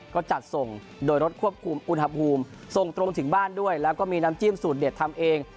ก็จัดส่งโดยรถควบคุมอุณหภูมิส่งตรงถึงบ้านด้วยแล้วก็มีน้ำจิ้มสูตรเด็ดทำเอง